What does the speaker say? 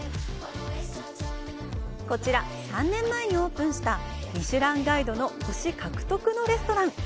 こちら、３年前にオープンしたミシュランガイドの星獲得のレストラン。